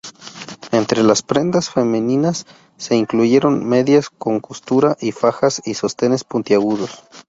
Entre las prendas femeninas se incluyeron medias con costura, fajas y sostenes puntiagudos.